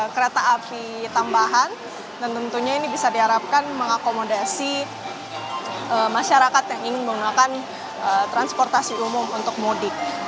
kereta api tambahan dan tentunya ini bisa diharapkan mengakomodasi masyarakat yang ingin menggunakan transportasi umum untuk mudik